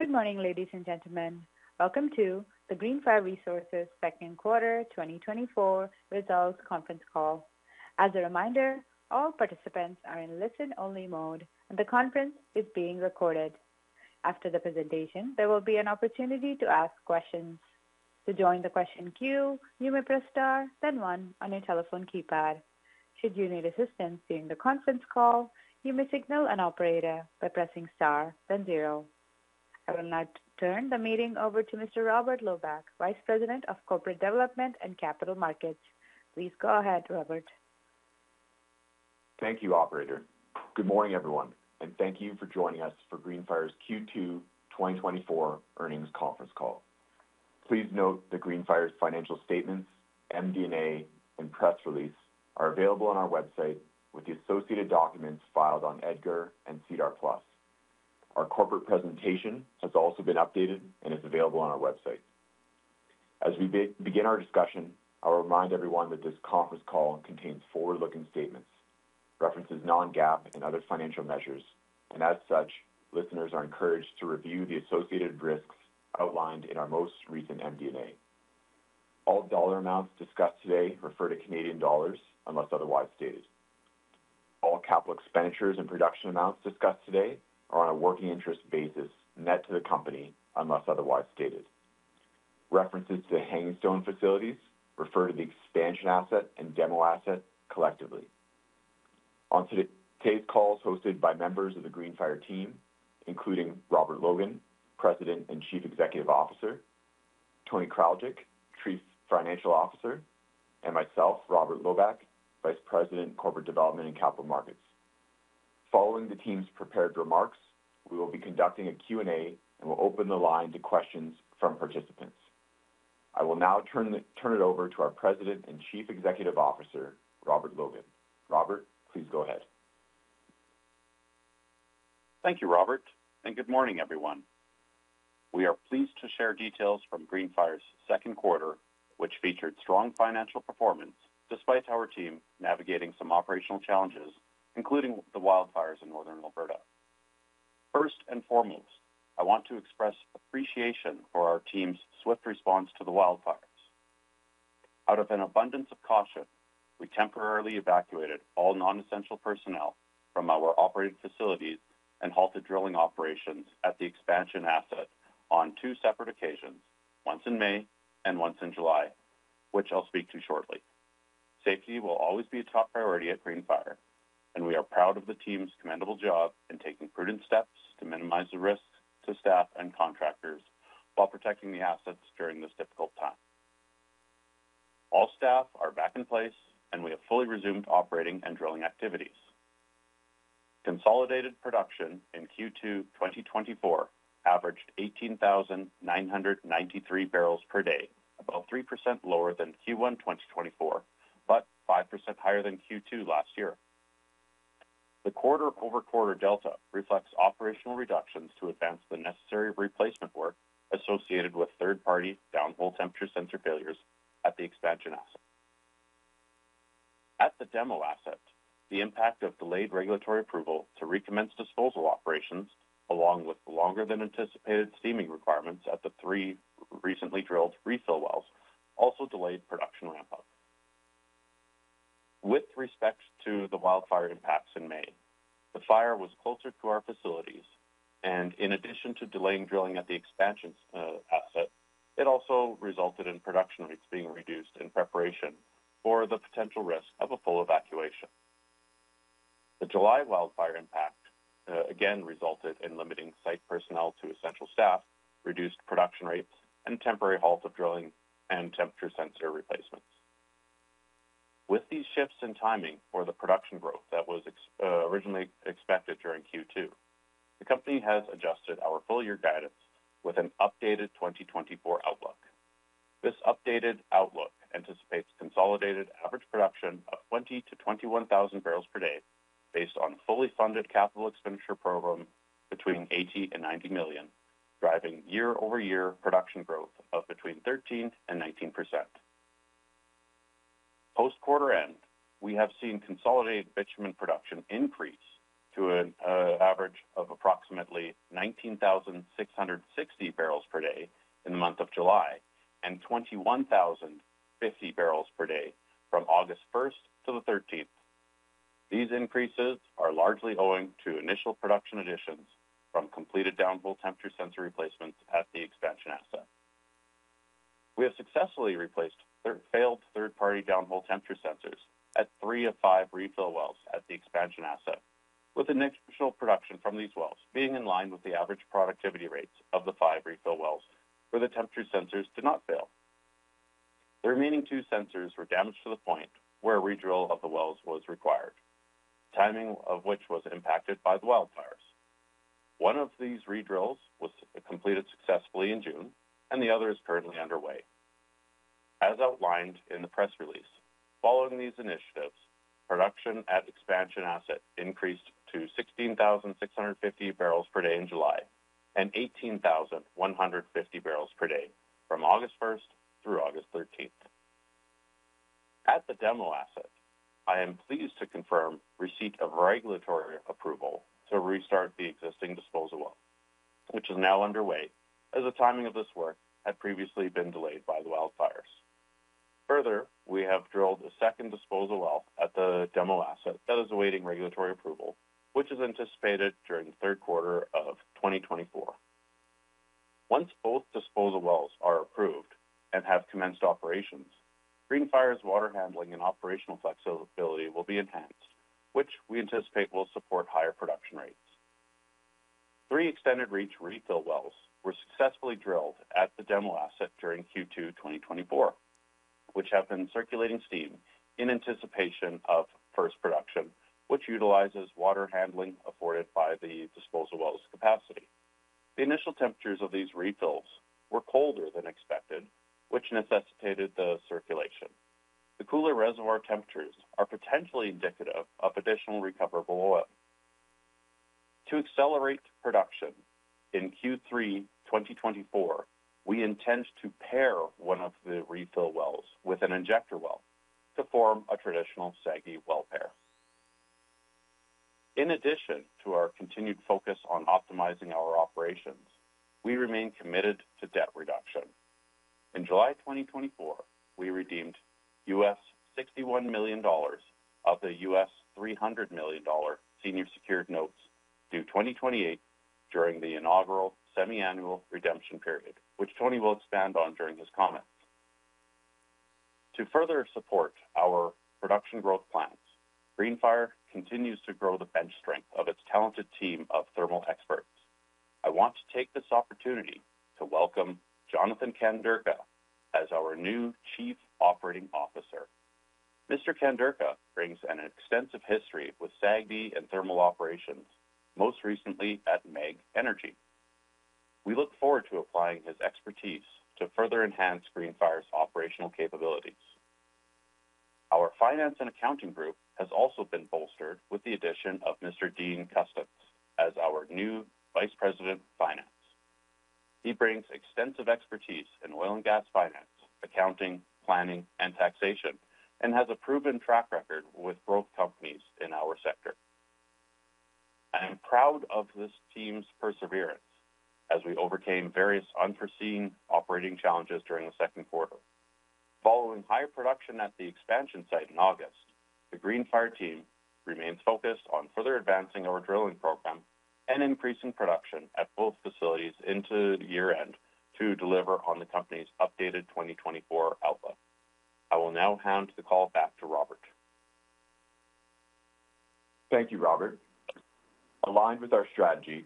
Good morning, ladies and gentlemen. Welcome to the Greenfire Resources Second Quarter 2024 Results Conference Call. As a reminder, all participants are in listen-only mode, and the conference is being recorded. After the presentation, there will be an opportunity to ask questions. To join the question queue, you may press Star, then one on your telephone keypad. Should you need assistance during the conference call, you may signal an operator by pressing Star, then zero. I will now turn the meeting over to Mr. Robert Loba, Vice President of Corporate Development and Capital Markets. Please go ahead, Robert. Thank you, operator. Good morning, everyone, and thank you for joining us for Greenfire's Q2 2024 earnings conference call. Please note that Greenfire's financial statements, MD&A, and press release are available on our website with the associated documents filed on EDGAR and SEDAR+. Our corporate presentation has also been updated and is available on our website. As we begin our discussion, I'll remind everyone that this conference call contains forward-looking statements, references non-GAAP and other financial measures, and as such, listeners are encouraged to review the associated risks outlined in our most recent MD&A. All dollar amounts discussed today refer to Canadian dollars, unless otherwise stated. All capital expenditures and production amounts discussed today are on a working interest basis, net to the company, unless otherwise stated. References to Hangingstone facilities refer to the Expansion Asset and Demo Asset collectively. On today's call is hosted by members of the Greenfire team, including Robert Logan, President and Chief Executive Officer, Tony Kraljic, Chief Financial Officer, and myself, Robert Loba, Vice President, Corporate Development and Capital Markets. Following the team's prepared remarks, we will be conducting a Q&A and will open the line to questions from participants. I will now turn it over to our President and Chief Executive Officer, Robert Logan. Robert, please go ahead. Thank you, Robert, and good morning, everyone. We are pleased to share details from Greenfire's second quarter, which featured strong financial performance despite our team navigating some operational challenges, including the wildfires in northern Alberta. First and foremost, I want to express appreciation for our team's swift response to the wildfires. Out of an abundance of caution, we temporarily evacuated all non-essential personnel from our operating facilities and halted drilling operations at the Expansion Asset on two separate occasions, once in May and once in July, which I'll speak to shortly. Safety will always be a top priority at Greenfire, and we are proud of the team's commendable job in taking prudent steps to minimize the risks to staff and contractors while protecting the assets during this difficult time. All staff are back in place, and we have fully resumed operating and drilling activities. Consolidated production in Q2 2024 averaged 18,993 bbl per day, about 3% lower than Q1 2024, but 5% higher than Q2 last year. The quarter-over-quarter delta reflects operational reductions to advance the necessary replacement work associated with third-party downhole temperature sensor failures at the Expansion Asset. At the Demo Asset, the impact of delayed regulatory approval to recommence disposal operations, along with longer than anticipated steaming requirements at the 3 recently drilled refill wells, also delayed production ramp-up. With respect to the wildfire impacts in May, the fire was closer to our facilities, and in addition to delaying drilling at the Expansion Asset, it also resulted in production rates being reduced in preparation for the potential risk of a full evacuation. The July wildfire impact, again, resulted in limiting site personnel to essential staff, reduced production rates, and temporary halt of drilling and temperature sensor replacements. With these shifts in timing for the production growth that was originally expected during Q2, the company has adjusted our full-year guidance with an updated 2024 outlook. This updated outlook anticipates consolidated average production of 20,000-21,000 bbl per day, based on a fully funded capital expenditure program between 80 million- 90 million, driving year-over-year production growth of between 13% and 19%. Post-quarter end, we have seen consolidated bitumen production increase to an average of approximately 19,660 bbl per day in the month of July and 21,050 bbl per day from August 1 to the 13th. These increases are largely owing to initial production additions from completed downhole temperature sensor replacements at the Expansion Asset. We have successfully replaced failed third-party downhole temperature sensors at three of five refill wells at the Expansion Asset, with an additional production from these wells being in line with the average productivity rates of the five refill wells, where the temperature sensors did not fail. The remaining two sensors were damaged to the point where a redrill of the wells was required, timing of which was impacted by the wildfires. One of these redrills was completed successfully in June, and the other is currently underway. As outlined in the press release, following these initiatives, production at Expansion Asset increased to 16,650 bbl per day in July and 18,150 bbl per day from August 1 through August 13. At the Demo Asset, I am pleased to confirm receipt of regulatory approval to restart the existing disposal well, which is now underway, as the timing of this work had previously been delayed by the wildfires. Further, we have drilled a second disposal well at the Demo Asset that is awaiting regulatory approval, which is anticipated during the third quarter of 2024. Once both disposal wells are approved and have commenced operations, Greenfire's water handling and operational flexibility will be enhanced, which we anticipate will support higher production rates. Three extended reach refill wells were successfully drilled at the Demo Asset during Q2 2024, which have been circulating steam in anticipation of first production, which utilizes water handling afforded by the disposal wells capacity. The initial temperatures of these refills were colder than expected, which necessitated the circulation. The cooler reservoir temperatures are potentially indicative of additional recoverable oil. To accelerate production in Q3 2024, we intend to pair one of the refill wells with an injector well to form a traditional SAGD well pair. In addition to our continued focus on optimizing our operations, we remain committed to debt reduction. In July 2024, we redeemed $61 million of the $300 million senior secured notes due 2028 during the inaugural semiannual redemption period, which Tony will expand on during his comments. To further support our production growth plans, Greenfire continues to grow the bench strength of its talented team of thermal experts. I want to take this opportunity to welcome Jonathan Kanderka as our new Chief Operating Officer. Mr. Kanderka brings an extensive history with SAGD and thermal operations, most recently at MEG Energy. We look forward to applying his expertise to further enhance Greenfire's operational capabilities. Our finance and accounting group has also been bolstered with the addition of Mr. Dean Custance as our new Vice President of Finance. He brings extensive expertise in oil and gas finance, accounting, planning, and taxation, and has a proven track record with growth companies in our sector. I am proud of this team's perseverance as we overcame various unforeseen operating challenges during the second quarter. Following higher production at the expansion site in August, the Greenfire team remains focused on further advancing our drilling program and increasing production at both facilities into the year-end to deliver on the company's updated 2024 outlook. I will now hand the call back to Robert. Thank you, Robert. Aligned with our strategy,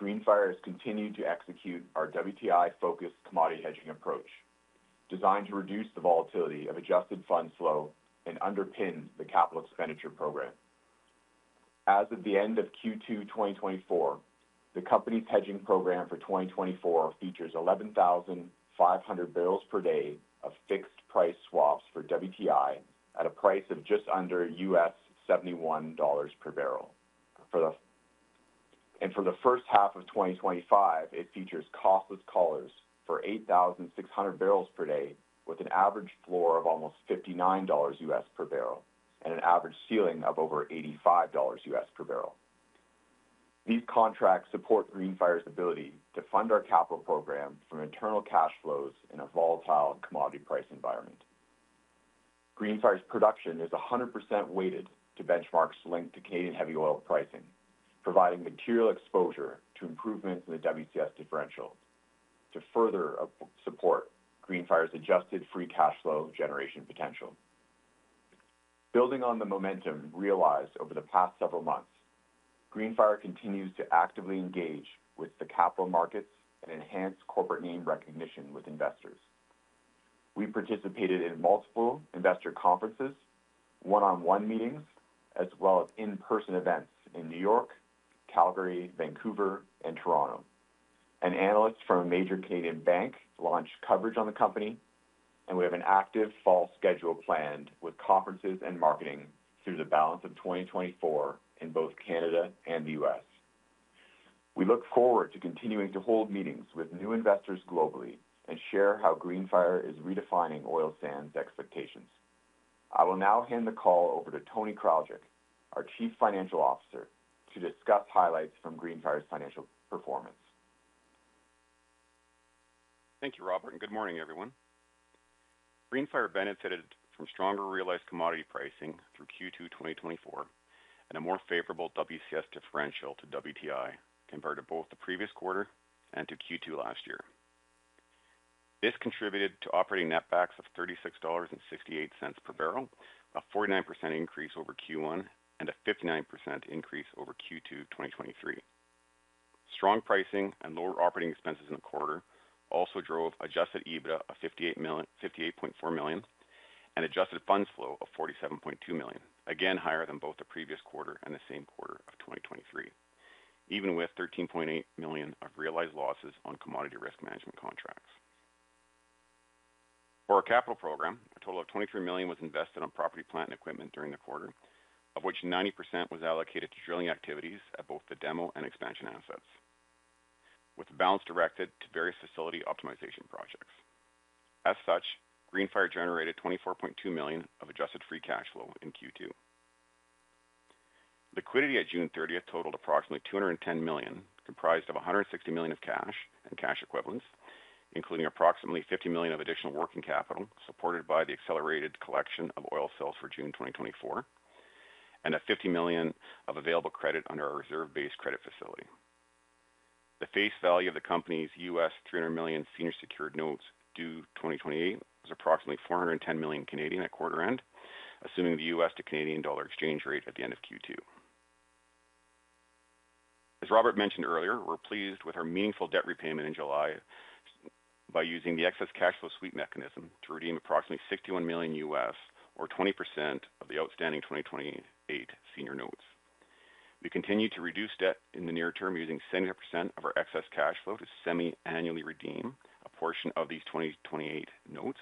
Greenfire has continued to execute our WTI-focused commodity hedging approach, designed to reduce the volatility of Adjusted funds flow and underpin the capital expenditure program. As of the end of Q2 2024, the company's hedging program for 2024 features 11,500 bbl per day of Fixed price swaps for WTI at a price of just under $71 per barrel. For the first half of 2025, it features Costless collars for 8,600 bbl per day, with an average floor of almost $59 per barrel and an average ceiling of over $85 per barrel. These contracts support Greenfire's ability to fund our capital program from internal cash flows in a volatile commodity price environment. Greenfire's production is 100% weighted to benchmarks linked to Canadian heavy oil pricing, providing material exposure to improvements in the WCS differential to further support Greenfire's adjusted free cash flow generation potential. Building on the momentum realized over the past several months, Greenfire continues to actively engage with the capital markets and enhance corporate name recognition with investors. We participated in multiple investor conferences, one-on-one meetings, as well as in-person events in New York, Calgary, Vancouver, and Toronto. An analyst from a major Canadian bank launched coverage on the company, and we have an active fall schedule planned with conferences and marketing through the balance of 2024 in both Canada and the U.S. We look forward to continuing to hold meetings with new investors globally and share how Greenfire is redefining oil sands expectations. I will now hand the call over to Tony Kraljic, our Chief Financial Officer, to discuss highlights from Greenfire's financial performance. Thank you, Robert, and good morning, everyone. Greenfire benefited from stronger realized commodity pricing through Q2 2024 and a more favorable WCS differential to WTI compared to both the previous quarter and to Q2 last year. This contributed to operating netbacks of 36.68 dollars per barrel, a 49% increase over Q1 and a 59% increase over Q2 2023. Strong pricing and lower operating expenses in the quarter also drove adjusted EBITDA of 58.4 million and adjusted funds flow of 47.2 million, again, higher than both the previous quarter and the same quarter of 2023. Even with 13.8 million of realized losses on commodity risk management contracts. For our capital program, a total of 23 million was invested on property, plant, and equipment during the quarter, of which 90% was allocated to drilling activities at both the demo and Expansion Assets, with the balance directed to various facility optimization projects. As such, Greenfire generated 24.2 million of adjusted free cash flow in Q2. Liquidity at June 30th totaled approximately 210 million, comprised of 160 million of cash and cash equivalents, including approximately 50 million of additional working capital, supported by the accelerated collection of oil sales for June 2024, and 50 million of available credit under our reserve-based credit facility. The face value of the company's $300 million senior secured notes due 2028, was approximately 410 million at quarter end, assuming the US to Canadian dollar exchange rate at the end of Q2. As Robert mentioned earlier, we're pleased with our meaningful debt repayment in July by using the excess cash flow sweep mechanism to redeem approximately $61 million, or 20% of the outstanding 2028 senior notes. We continue to reduce debt in the near term, using 70% of our excess cash flow to semiannually redeem a portion of these 2028 notes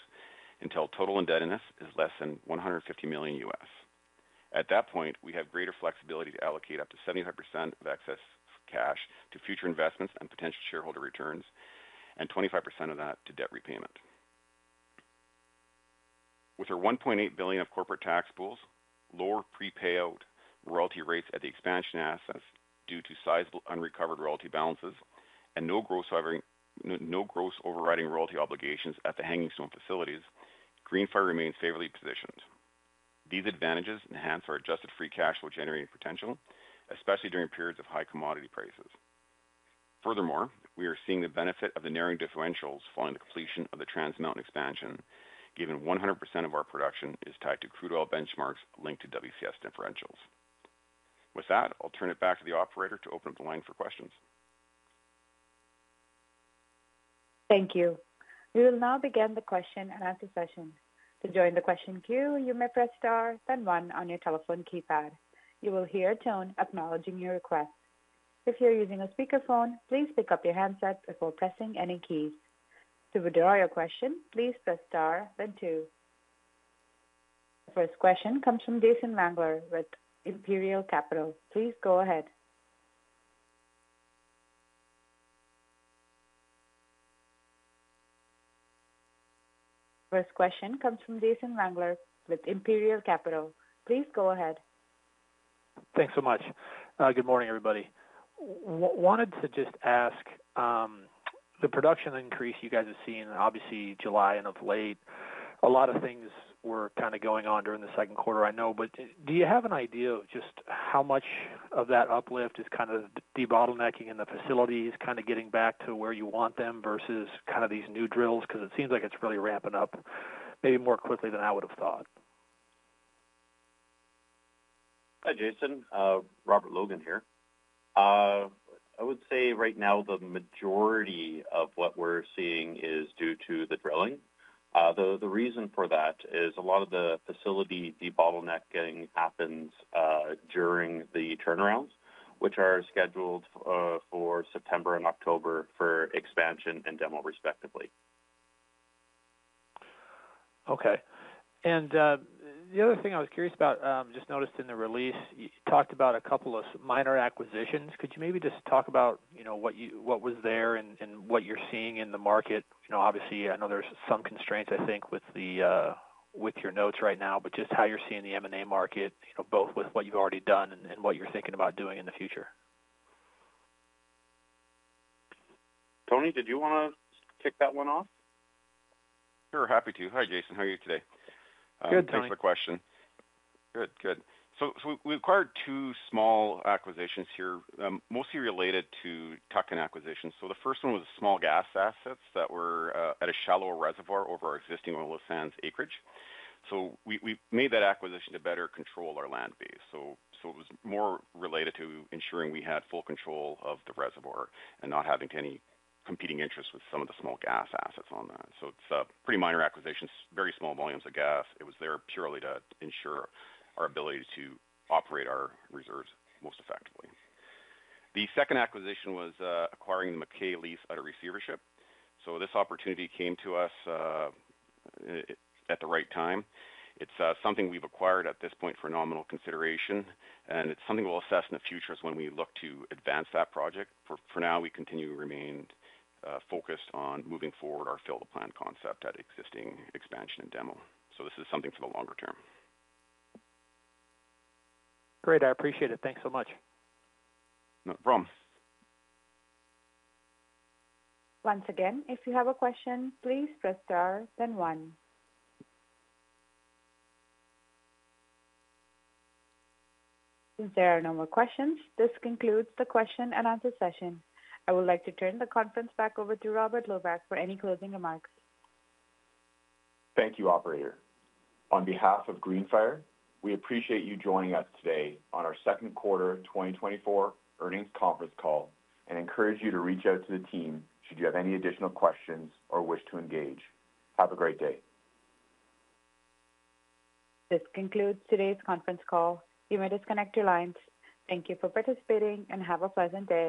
until total indebtedness is less than $150 million. At that point, we have greater flexibility to allocate up to 70% of excess cash to future investments and potential shareholder returns, and 25% of that to debt repayment. With our 1.8 billion of corporate tax pools, lower prepayout royalty rates at the Expansion Assets due to sizable unrecovered royalty balances, and no gross overriding royalty obligations at the Hangingstone facilities, Greenfire remains favorably positioned. These advantages enhance our adjusted free cash flow generating potential, especially during periods of high commodity prices. Furthermore, we are seeing the benefit of the narrowing differentials following the completion of the Trans Mountain Expansion, given 100% of our production is tied to crude oil benchmarks linked to WCS differentials. With that, I'll turn it back to the operator to open up the line for questions. Thank you. We will now begin the question and answer session. To join the question queue, you may press Star, then one on your telephone keypad. You will hear a tone acknowledging your request. If you're using a speakerphone, please pick up your handset before pressing any keys. To withdraw your question, please press Star, then two. First question comes from Jason Wangler with Imperial Capital. Please go ahead. First question comes from Jason Wangler with Imperial Capital. Please go ahead. Thanks so much. Good morning, everybody. Wanted to just ask, the production increase you guys have seen, obviously July and of late, a lot of things were kinda going on during the second quarter I know, but do you have an idea of just how much of that uplift is kinda debottlenecking in the facilities, kinda getting back to where you want them versus kind of these new drills? Because it seems like it's really ramping up maybe more quickly than I would have thought. Hi, Jason. Robert Logan here. I would say right now, the majority of what we're seeing is due to the drilling. The reason for that is a lot of the facility debottlenecking happens during the turnarounds, which are scheduled for September and October for expansion and demo, respectively. Okay. And the other thing I was curious about, just noticed in the release, you talked about a couple of minor acquisitions. Could you maybe just talk about, you know, what you... What was there and what you're seeing in the market? You know, obviously, I know there's some constraints, I think, with the with your notes right now, but just how you're seeing the M&A market, you know, both with what you've already done and what you're thinking about doing in the future. Tony, did you wanna kick that one off? Sure, happy to. Hi, Jason. How are you today? Good, thanks. Thanks for the question. Good, good. So we acquired two small acquisitions here, mostly related to tuck-in acquisitions. So the first one was small gas assets that were at a shallower reservoir over our existing oil sands acreage. So we made that acquisition to better control our land base. So it was more related to ensuring we had full control of the reservoir and not having any competing interests with some of the small gas assets on that. So it's a pretty minor acquisition, very small volumes of gas. It was there purely to ensure our ability to operate our reserves most effectively. The second acquisition was acquiring the MacKay lease out of receivership. So this opportunity came to us at the right time. It's something we've acquired at this point for nominal consideration, and it's something we'll assess in the future is when we look to advance that project. For now, we continue to remain focused on moving forward our field plan concept at existing Expansion and Demo. So this is something for the longer term. Great, I appreciate it. Thanks so much. Not a problem. Once again, if you have a question, please press Star, then one. If there are no more questions, this concludes the question and answer session. I would like to turn the conference back over to Robert Logan for any closing remarks. Thank you, operator. On behalf of Greenfire, we appreciate you joining us today on our second quarter 2024 earnings conference call, and encourage you to reach out to the team should you have any additional questions or wish to engage. Have a great day. This concludes today's conference call. You may disconnect your lines. Thank you for participating, and have a pleasant day.